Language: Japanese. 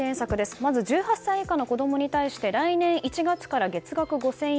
まず１８歳以下の子供に対して来年１月から月額５０００円。